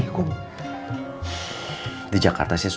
lagi kerja bangunan kan sama dia terus